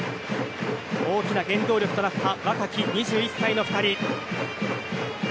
大きな原動力となった若き２１歳の２人。